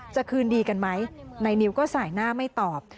จะคืนดีกันไหมนายนิวก็สายหน้าไม่ตอบ